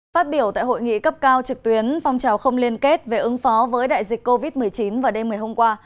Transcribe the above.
phát biểu tại hội nghị cấp cao trực tuyến phong trào không liên kết về ứng phó với đại dịch covid một mươi chín vào đêm ngày hôm qua